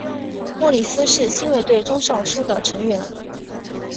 莫里斯是亲卫队中少数的成员。